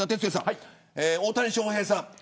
大谷翔平さん。